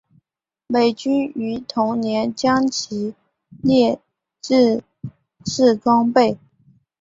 美军于同年将其列入制式装备。